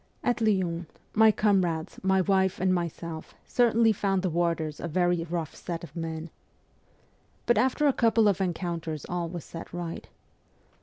At Lyons my comrades, my wife, and myself certainly found the warders a very rough set of men. But after a couple of encounters all was set right.